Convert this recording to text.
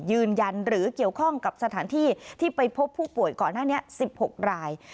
ยืนยันหรือเกี่ยวข้องกับสถานที่ที่ไปพบผู้ป่วยก่อนหน้านี้๑๖ราย